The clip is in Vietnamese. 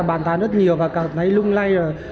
bàn tán rất nhiều và cảm thấy lung lay